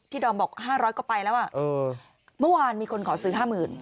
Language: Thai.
ดอมบอก๕๐๐ก็ไปแล้วอ่ะเมื่อวานมีคนขอซื้อ๕๐๐๐